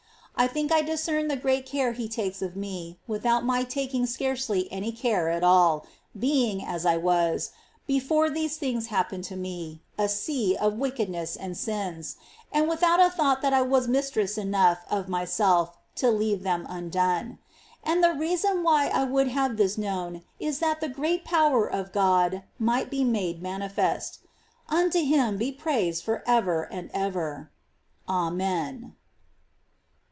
I think I discern the great care He takes of me, without my taking scarcely any care at all, being, as I was, before these things happened to me, a sea of wickedness and sins, and without a thought that I was mistress enough of myself to leave them undone. And the reason why I would have this kno^vn is that the great power of God might be made manifest. Unto Him be praise for ever and ever ! Amen.